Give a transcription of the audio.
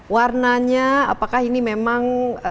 warnanya apakah ini memang